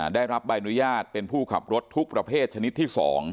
ได้รับใบอนุญาตเป็นผู้ขับรถทุกประเภทชนิดที่๒